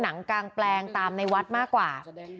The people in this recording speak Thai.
หนังกางแปลงตามในวัดมากกว่า